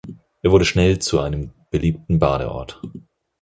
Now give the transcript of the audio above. Er wurde schnell zu einem beliebten Badeort.